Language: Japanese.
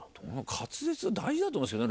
滑舌大事だと思うんですけどね